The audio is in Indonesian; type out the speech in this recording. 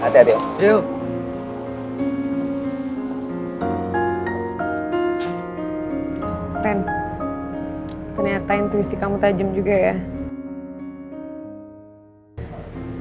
ren ternyata intuisi kamu tajam juga ya